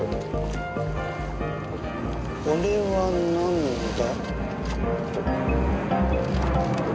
これはなんだ？